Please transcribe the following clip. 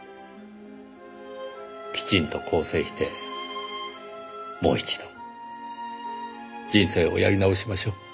きちんと更生してもう一度人生をやり直しましょう。